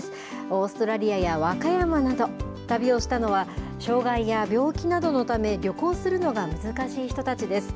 オーストラリアや和歌山など、旅をしたのは、障害や病気などのため、旅行するのが難しい人たちです。